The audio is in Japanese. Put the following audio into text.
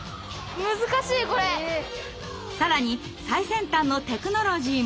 更に最先端のテクノロジーも！